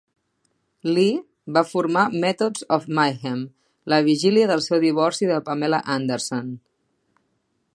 Lee va formar Methods of Mayhem la vigília del seu divorci de Pamela Anderson.